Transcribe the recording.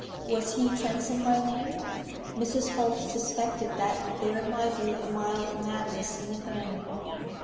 Was he Transome by name?" (Mrs. Holt suspected that there might be a mild madness in the family.)